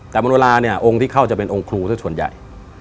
แต่บนเวลาเนี่ยองค์ที่เข้าจะเป็นองค์ครูสักส่วนใหญ่